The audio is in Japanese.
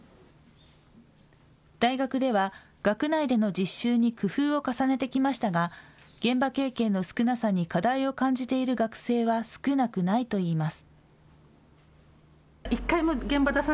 大学では、学内での実習に工夫を重ねてきましたが現場経験の少なさに課題を感じている学生は少なくないといいます。